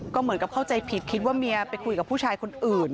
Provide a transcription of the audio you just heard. ก็เหมือนเข้าใจผิดคิดว่าเค้าค่อยไปคุยกับผู้ชายอื่น